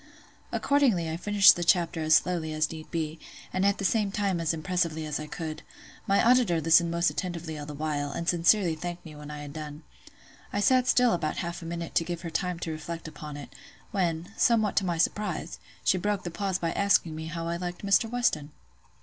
Accordingly, I finished the chapter as slowly as need be, and at the same time as impressively as I could; my auditor listened most attentively all the while, and sincerely thanked me when I had done. I sat still about half a minute to give her time to reflect upon it; when, somewhat to my surprise, she broke the pause by asking me how I liked Mr. Weston?